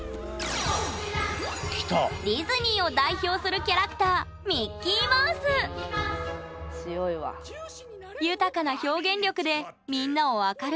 ディズニーを代表するキャラクター豊かな表現力でみんなを明るい気持ちにさせてくれる人気者！